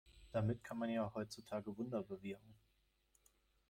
Damit kann man ja heutzutage Wunder bewirken.